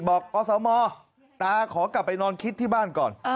อสมตาขอกลับไปนอนคิดที่บ้านก่อน